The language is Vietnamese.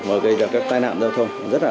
và gây ra các tai nạn giao thông rất là nề